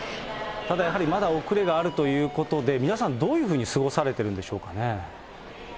ただやはり、まだ遅れがあるということで、皆さんどういうふうに過ごされてるんでしょうかね。